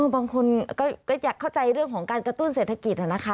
บางคนก็อยากเข้าใจเรื่องของการกระตุ้นเศรษฐกิจนะคะ